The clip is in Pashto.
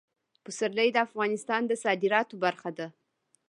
پسرلی د افغانستان د صادراتو برخه ده.